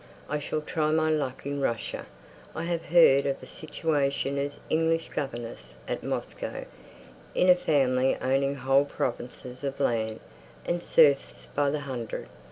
I shall try my luck in Russia. I've heard of a situation as English governess at Moscow, in a family owning whole provinces of land, and serfs by the hundred.